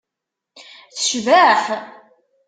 Tecbeḥ.